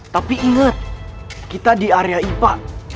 tapi ingat kita di area ipa